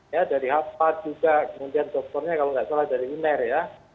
ya dari hafad juga kemudian dokternya kalau nggak salah dari uner ya